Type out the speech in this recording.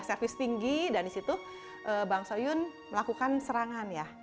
servis tinggi dan disitu bang soyun melakukan serangan ya